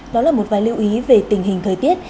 đó là một vài lưu ý về tình hình thời tiết